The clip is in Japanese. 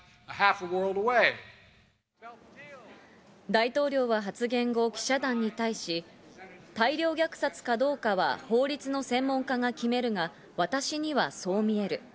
大統領は発言後、記者団に対し、大量虐殺かどうかは法律の専門家が決めるが、私にはそう見える。